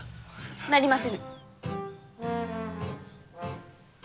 なりませぬ！